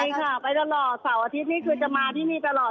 ใช่ค่ะไปตลอดเสาร์อาทิตย์นี่คือจะมาที่นี่ตลอด